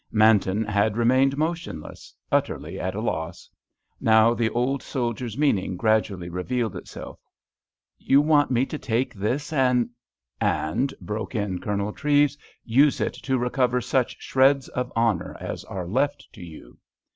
Manton had remained motionless; utterly at a loss. Now the old soldier's meaning gradually revealed itself. "You want me to take this and——?" "And," broke in Colonel Treves, "use it to recover such shreds of honour as are left to you."